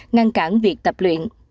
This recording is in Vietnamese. ngăn cản việc tập luyện